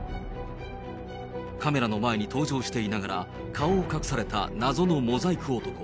カメラの前に登場していながら、顔を隠された謎のモザイク男。